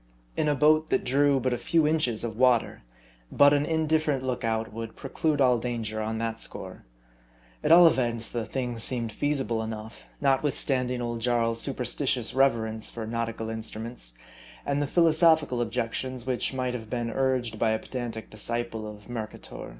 In a boat that drew but a few inches of water, but an indifferent look out would preclude all dan ger on that score. At all events, the thing seemed feasible enough, notwithstanding old Jarl's superstitious reverence for nautical instruments, and the philosophical objections which might have been urged by a pedantic disciple of Mer cator.